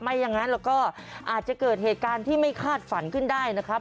อย่างนั้นเราก็อาจจะเกิดเหตุการณ์ที่ไม่คาดฝันขึ้นได้นะครับ